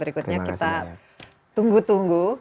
berikutnya kita tunggu tunggu